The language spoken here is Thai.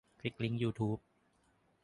คลิกลิงก์ยูทูบ